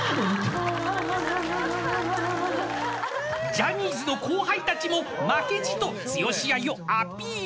［ジャニーズの後輩たちも負けじと剛愛をアピール］